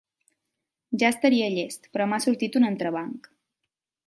Ja estaria llest; però m'ha sortit un entrebanc.